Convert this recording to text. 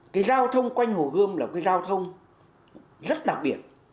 cái giao thông quanh hồ gươm là một cái giao thông rất đặc biệt